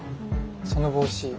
その帽子